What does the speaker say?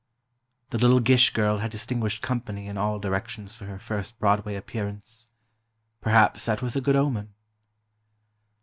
The little Gish girl had distinguished company in all directions for her first Broadway appearance. Perhaps that was a good omen.